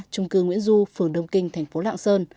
trung cư nguyễn du phường đông kinh thành phố lạng sơn